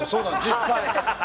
実際。